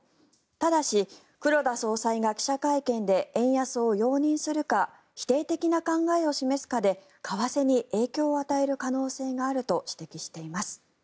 ただし、黒田総裁が記者会見で円安を容認するか否定的な考えを示すかで為替に影響を与える可能性があると指摘しています。